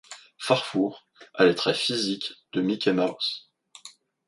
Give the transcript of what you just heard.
Farfour a les traits physiques de Mickey Mouse.